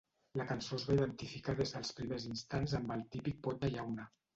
La cançó es va identificar des dels primers instants amb el típic pot de llauna.